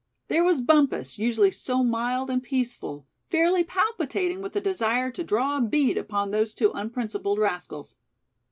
There was Bumpus, usually so mild and peaceful, fairly palpitating with a desire to draw a bead upon those two unprincipled rascals.